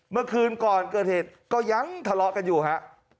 เมื่อคืนก่อนเกิดเหตุก็ยังทะเลาะกันอยู่ฮะ